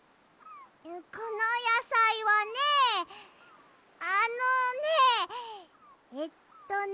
このやさいはねあのねえっとね。